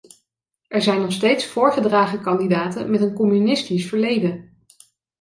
Er zijn nog steeds voorgedragen kandidaten met een communistisch verleden.